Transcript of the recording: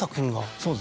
そうです